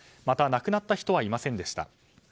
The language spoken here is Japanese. また、亡くなった人はいませんでした。